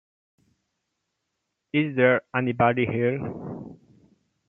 Is There Anybody There?